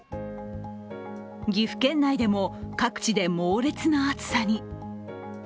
岐阜県内でも各地で猛烈な暑さに。